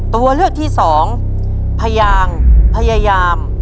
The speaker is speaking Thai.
ตัวเลือกที่สองพยางพยายาม